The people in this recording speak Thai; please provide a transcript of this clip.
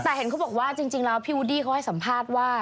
แต่เห็นเขาบอกว่าจริงแล้วพี่วูดดี้เขาให้สัมภาษณ์ว่า